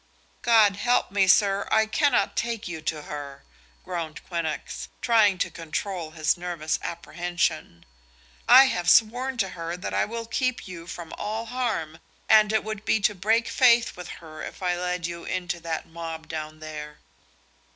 "God help me, sir, I cannot take you to her," groaned Quinnox, trying to control his nervous apprehension. "I have sworn to her that I will keep you from all harm, and it would be to break faith with her if I led you into that mob down there."